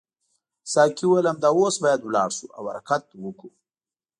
ساقي وویل همدا اوس باید لاړ شو او حرکت وکړو.